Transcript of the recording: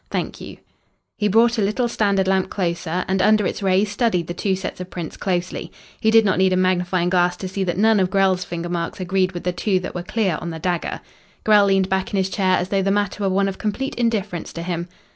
Thank you." He brought a little standard lamp closer, and under its rays studied the two sets of prints closely. He did not need a magnifying glass to see that none of Grell's finger marks agreed with the two that were clear on the dagger. Grell leaned back in his chair as though the matter were one of complete indifference to him.